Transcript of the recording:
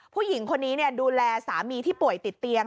ผู้หญิงคนนี้ดูแลสามีที่ป่วยติดเตียง